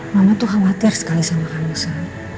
mama tuh khawatir sekali sama kamu saya